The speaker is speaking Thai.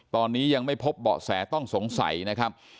ตอนนี้ยังไม่พบเบาะแสต้องสงสัยนะครับ